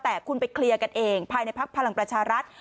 แต่คุณไปเคลียร์กันเองภายในพักพลังประชารัฐ